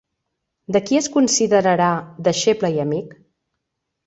De qui es considerarà deixeble i amic?